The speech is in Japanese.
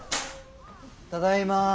ただいま。